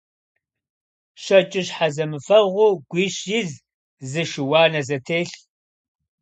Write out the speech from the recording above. ЩэкӀыщхьэ зэмыфэгъуу гуищ из, зы шы – уанэ зэтелъ!